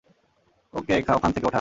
ওকে ওখান থেকে উঠান।